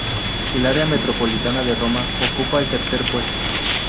El área metropolitana de Roma ocupa el tercer puesto.